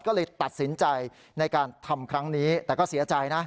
ก็เลยตัดสินใจในการทำครั้งนี้แต่ก็เสียใจนะ